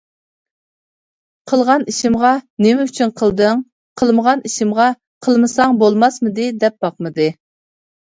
قىلغان ئىشىمغا «نېمە ئۈچۈن قىلدىڭ؟ »، قىلمىغان ئىشىمغا «قىلمىساڭ بولماسمىدى؟ » دەپ باقمىدى.